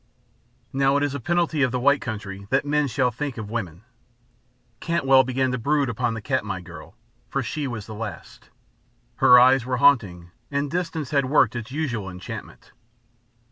Now it is a penalty of the White Country that men shall think of women; Cantwell began to brood upon the Katmai girl, for she was the last; her eyes were haunting and distance had worked its usual enchantment.